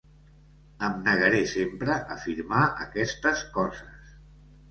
Em negaré sempre a firmar aquestes coses.